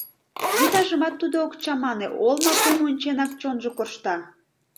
Вӱтажымат тудо ок чамане, олмапум онченак, чонжо коршта.